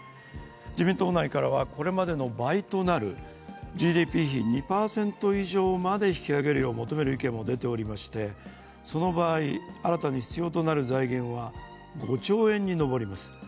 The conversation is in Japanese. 自民党内からはこれまでの倍となるＧＤＰ比２％以上まで引き上げるよう求める意見も出ていてその場合、新たに必要となる財源は５兆円に上ります。